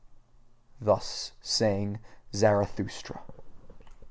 Thus sang Zarathustra.